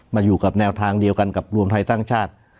มาอยู่กับแนวทางเดียวกันกับรวมไทยสร้างชาติ